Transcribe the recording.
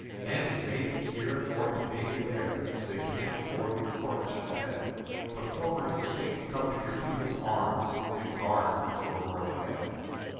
"And it may be here or it may be there, In the camp or the court," she said: "But for my sake come to your people's arms And guard your royal head."